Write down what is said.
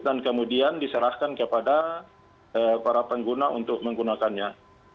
dan kemudian diserahkan kepada para pengguna untuk menggunakannya